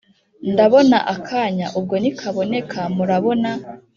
ndabona akanya ubwo nikaboneka murabona